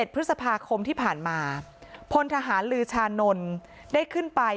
พฤษภาคมที่ผ่านมาพลทหารลือชานนท์ได้ขึ้นไป